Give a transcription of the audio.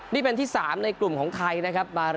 นี่เป็นที่๓ในกลุ่มของไทยนะครับ